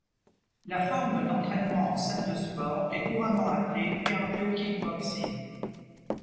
La forme d’entraînement en salle de sport est couramment appelée cardio-kickboxing.